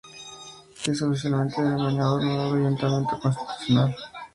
Es oficialmente denominado "Honorable Ayuntamiento Constitucional del Municipio de Pachuca de Soto".